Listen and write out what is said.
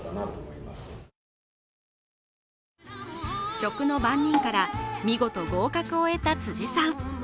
食の番人から見事合格を得た辻さん。